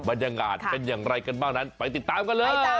บรรยากาศเป็นอย่างไรกันบ้างนั้นไปติดตามกันเลย